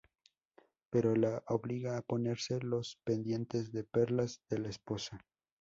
Pero la obliga a ponerse los pendientes de perlas de la esposa.